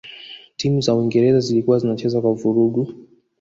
timu za uingereza zilikuwa zinacheza kwa vurugu